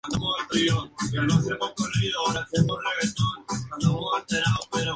En numerosos certámenes nacionales e internacionales han obtenido destacados galardones.